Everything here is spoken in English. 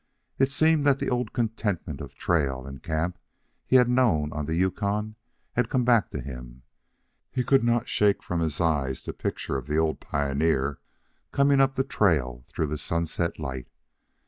It seemed that the old contentment of trail and camp he had known on the Yukon had come back to him. He could not shake from his eyes the picture of the old pioneer coming up the trail through the sunset light.